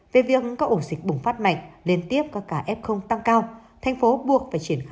về việc các ổ dịch bùng phát mạnh liên tiếp các ca f tăng cao thành phố buộc phải triển khai